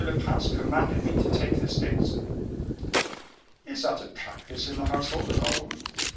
le Prince commanded me to take the stakes." "Is that a practice in the household, Raoul?"